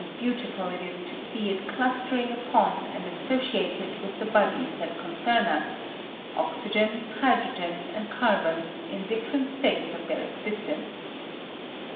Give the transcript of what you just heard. beautiful it is to see it clustering upon and associated with the bodies that concern \is — osygen, hydrogen, and car bon, in different states of their existence.